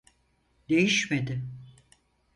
Değişmedi